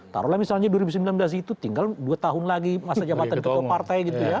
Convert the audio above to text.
taruhlah misalnya dua ribu sembilan belas itu tinggal dua tahun lagi masa jabatan ketua partai gitu ya